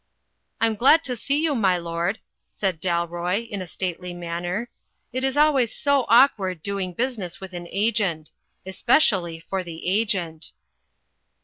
"I am glad to see you, my lord," said Dalroy, in a stately manner, "it is always so awkward doing busi ness with an Agent. Especially for the Agent."